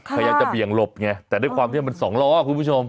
พยายามจะเบี่ยงหลบไงแต่ด้วยความที่มันสองล้อคุณผู้ชม